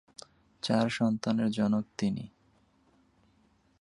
চার সন্তানের জনক তিনি।